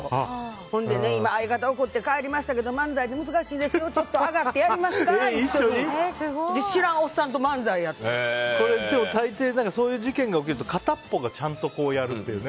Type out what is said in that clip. ほんで今、相方怒って帰りましたけど漫才って難しいですよちょっと上がってやりますかって言ってたいてい、そういう事件が起きると、かたっぽがちゃんとやるっていうね。